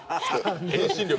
遠心力が。